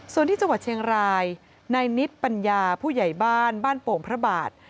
ส่วนที่จังหวัดเชียงรายนายนิดปัญญาผู้ใหญ่บ้านบ้านโป่งพระบาท